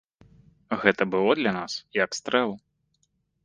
Гэта было для нас як стрэл.